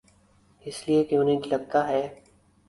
اس لئے کہ انہیں لگتا ہے۔